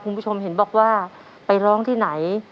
คุณผู้ชมเห็นบอกว่าไปร้องที่ไหน